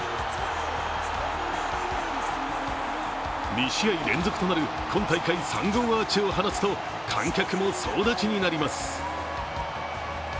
２試合連続となる今大会３号アーチを放つと観客も総立ちになります。